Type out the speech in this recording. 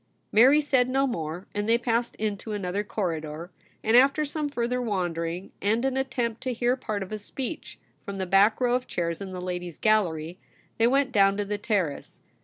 Mary said no more, and they passed into another corridor, and after some further wandering, and an attempt to hear part of a speech from the back row of chairs in the Ladies' Gallery, they went down to the Ter race.